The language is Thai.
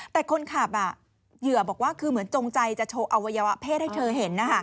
แต่คนขับเหยื่อบอกว่าคือเหมือนจงใจจะโชว์อวัยวะเพศให้เธอเห็น